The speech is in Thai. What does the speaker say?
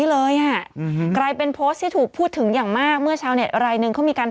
เราก็บล็อกเองได้ไหมน้องแม่ง